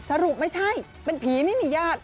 สรุปไม่ใช่เป็นผีไม่มีญาติ